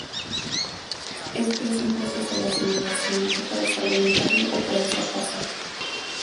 Este es un proceso de asimilación que puede ser voluntario o puede ser forzado.